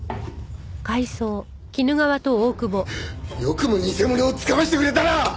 よくも偽物をつかませてくれたな！